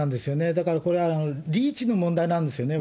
だから、これはリーチの問題なんですよね。